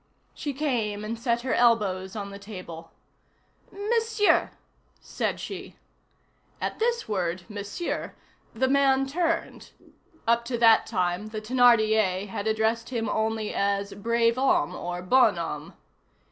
She came and set her elbows on the table. "Monsieur," said she. At this word, Monsieur, the man turned; up to that time, the Thénardier had addressed him only as brave homme or bonhomme.